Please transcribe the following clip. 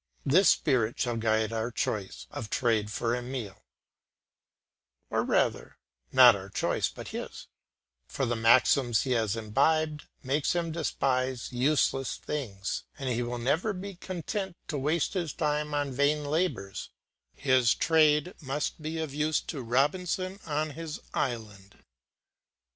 This spirit shall guide our choice of trade for Emile, or rather, not our choice but his; for the maxims he has imbibed make him despise useless things, and he will never be content to waste his time on vain labours; his trade must be of use to Robinson on his island.